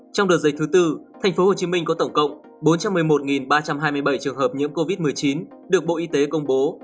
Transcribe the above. trong đợt dịch thứ tư tp hcm có tổng cộng bốn trăm một mươi một ba trăm hai mươi bảy trường hợp nhiễm covid một mươi chín được bộ y tế công bố